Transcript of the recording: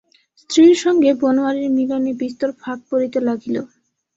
স্ত্রীর সঙ্গে বনোয়ারির মিলনে বিস্তর ফাঁক পড়িতে লাগিল।